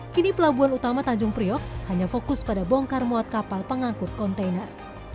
kini pelabuhan utama tanjung priok hanya fokus pada bongkar muat kapal pengangkut kontainer